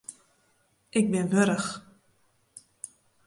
Ik bin wurch.